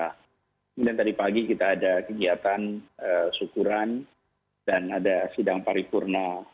kemudian tadi pagi kita ada kegiatan syukuran dan ada sidang paripurna